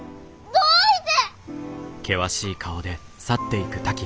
どういて？